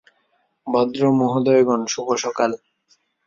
ভদ্রমহোদয়গণ, শুভ সকাল।